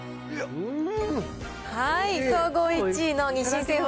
総合１位の日清製粉